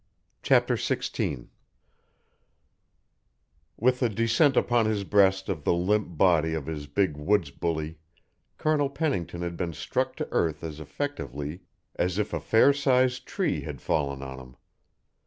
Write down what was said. CHAPTER XVI With the descent upon his breast of the limp body of his big woods bully, Colonel Pennington had been struck to earth as effectively as if a fair sized tree had fallen on him.